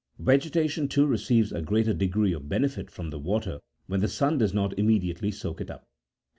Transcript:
Vege tation, too, receives a greater degree of benefit from the water when the sun does not immediately soak it up.